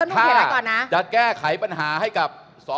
ถ้าจะแก้ไขปัญหาให้กับ